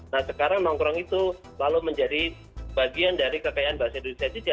nah sekarang nongkrong itu lalu menjadi bagian dari kekayaan bahasa indonesia juga